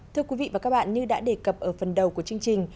thưa quý vị và các bạn như đã đề cập ở phần đầu của chương trình